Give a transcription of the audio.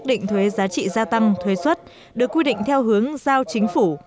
định thuế giá trị gia tăng thuế xuất được quy định theo hướng giao chính phủ